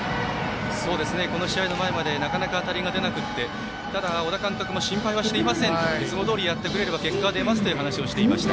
この試合の前までなかなか当たりが出なくてただ、小田監督も心配はしていませんといつもどおりやってくれれば結果は出ますと話をしていました。